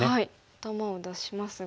頭を出しますが。